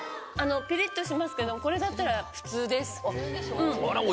ピリっとしますけどこれだったら普通です。